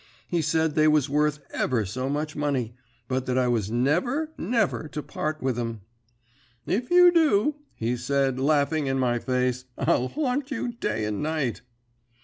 He said they was worth ever so much money, but that I was never, never to part with 'em. "'If you do,' he said, laughing in my face, 'I'll haunt you day and night.'